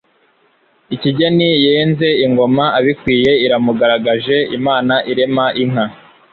Ikigeni yenze ingoma abikwiye Iramugaragaje Imana irema inka